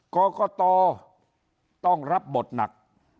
กรกตต้องรับบทหนัก